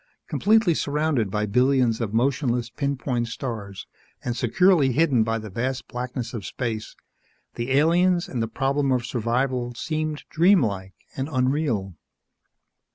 Completely surrounded by billions of motionless, pin point stars and securely hidden by the vast blackness of space, the aliens and the problem of survival seemed dream like and unreal.